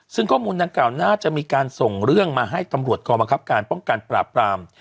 ซึ่งข้อมูลดังกล่าวน่าจะมีการส่งเรื่องมาให้ตำรวจกองบังคับการป้องกันปราบราม